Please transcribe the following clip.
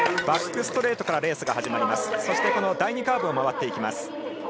バックストレートからレースが始まりそして第２カーブを周っていきます。